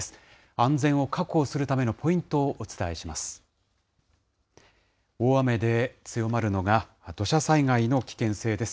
安全を確保するためのポイントをお伝えします。